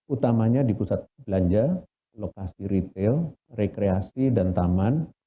utamanya di pusat belanja lokasi retail rekreasi dan taman